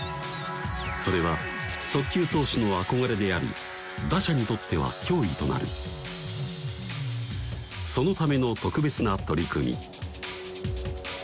それは速球投手の憧れであり打者にとっては脅威となるそのための特別な取り組み